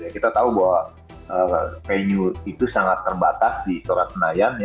kita tahu bahwa venue itu sangat terbatas di istora senayan